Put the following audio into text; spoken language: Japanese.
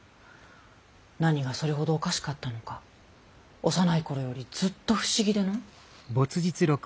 何がそれほどおかしかったのか幼い頃よりずっと不思議での。